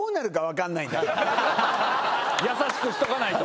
優しくしとかないと。